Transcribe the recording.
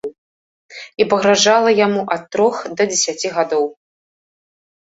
І пагражала яму ад трох да дзесяці гадоў.